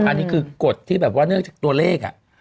อันนี้คือกฎที่แบบว่าเนื่องจากตัวเลข